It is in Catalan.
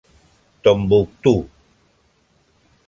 Tombouctou!